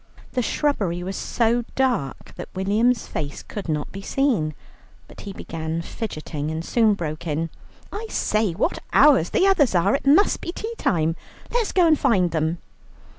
The shrubbery was so dark that William's face could not be seen, but he began fidgeting, and soon broke in: "I say, what hours the others are, it must be tea time. Let's go and find them."